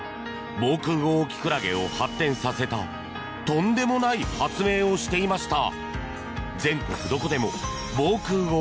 防空壕きくらげを発展させたとんでもない発明をしていました。